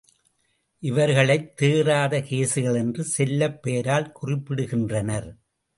இவர்களைத் தேறாத கேசுகள் என்ற செல்லப் பெயரால் குறிப்பிடுகின்றனர்.